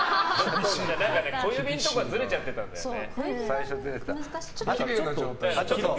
小指のとこがずれちゃってたんだよね。